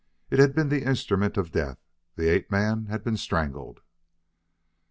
It had been the instrument of death; the ape man had been strangled.